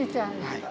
はい。